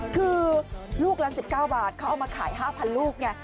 คือลูกละ๑๙บาทเขาเอามาขาย๕๐๐ลูกไง